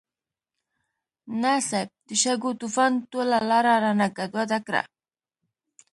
نه صيب، د شګو طوفان ټوله لاره رانه ګډوډه کړه.